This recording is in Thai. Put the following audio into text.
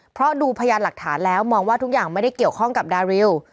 เพราะดูพยานหลักฐานแล้วมองว่าทุกอย่างไม่ได้เกี่ยวข้องกับดาริว